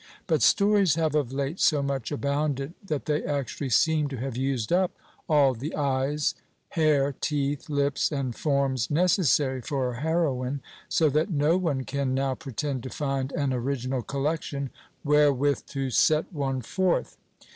But stories have of late so much abounded that they actually seem to have used up all the eyes, hair, teeth, lips, and forms necessary for a heroine, so that no one can now pretend to find an original collection wherewith to set one forth.